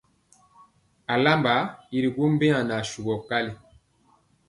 Alamba i ri gwo mbeya asugɔ kali.